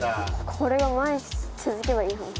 これが毎日続けばいいのに。